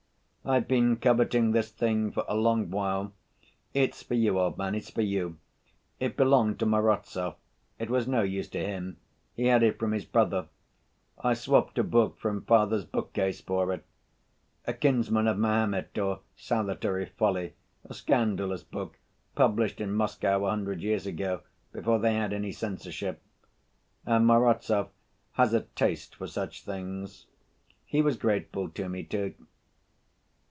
"I've been coveting this thing for a long while; it's for you, old man, it's for you. It belonged to Morozov, it was no use to him, he had it from his brother. I swopped a book from father's book‐case for it, A Kinsman of Mahomet or Salutary Folly, a scandalous book published in Moscow a hundred years ago, before they had any censorship. And Morozov has a taste for such things. He was grateful to me, too...."